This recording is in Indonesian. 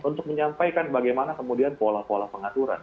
untuk menyampaikan bagaimana kemudian pola pola pengaturan